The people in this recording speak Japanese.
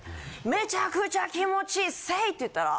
「めちゃくちゃ気持ちいい！ＳＡＹ！」って言ったら。